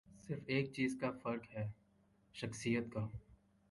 صرف ایک چیز کا فرق ہے، شخصیت کا۔